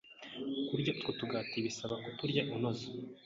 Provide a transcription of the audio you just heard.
Kurya utwo tugati bisaba kuturya unoza,